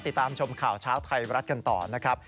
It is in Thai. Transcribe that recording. ติดตามชมข่าวเช้าไทยรัฐกันต่อนะครับ